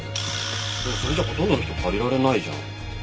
でもそれじゃほとんどの人借りられないじゃん。